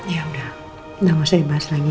ya udah nggak usah dibahas lagi